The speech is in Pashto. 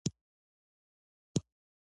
د شپې چوپ ږغ د ستورو سره غږېږي.